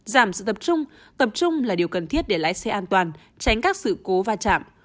giảm sự tập trung tập trung là điều cần thiết để lái xe an toàn tránh các sự cố va chạm